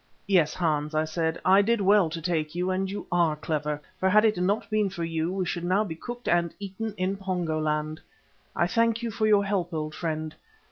"Yes, Hans," I said, "I did well to take you and you are clever, for had it not been for you, we should now be cooked and eaten in Pongo land. I thank you for your help, old friend.